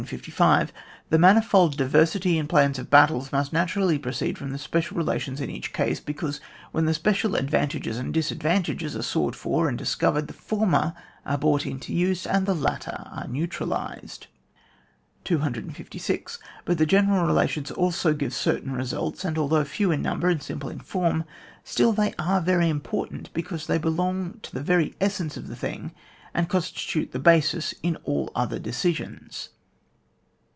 The manifold diversity in plans of battles must naturally proceed from the special relations in each case, be cause when the special advantages and disadvantages are sought for and dis covered, the former are brought into use, and the latter are neutralised. 256. But the general relations also give certain results, and although few in number and simple in form, still they are very important, because they belong to the very essence of the thing, and con stitute the basis in all other decisions.